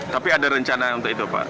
tapi ada rencana untuk itu pak